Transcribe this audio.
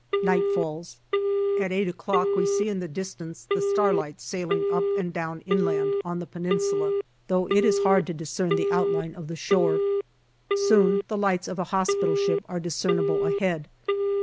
Night falls. At eight o'clock we see in the distance the starlights sailing up and down inland, on the Peninsula, though it is hard to discern the outline of the shore. Soon the lights of a hospital ship are discernible ahead.